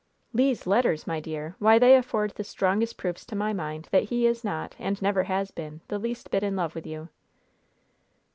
"Le's letters, my dear! Why, they afford the strongest proofs to my mind that he is not, and never has been, the least bit in love with you."